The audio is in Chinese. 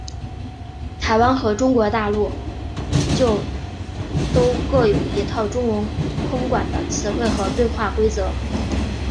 台湾和中国大陆就都各有一套中文空管的词汇和对话规则。